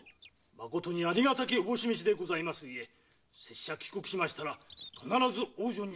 まことにありがたきおぼしめしでございますゆえ拙者帰国しましたら必ず王女に伝えます。